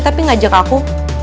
tapi ngajak aku